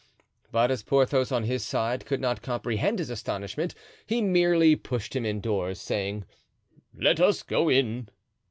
But as Porthos on his side could not comprehend his astonishment, he merely pushed him indoors, saying, "Let us go in."